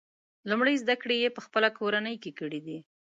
لومړۍ زده کړې یې په خپله کورنۍ کې کړي دي.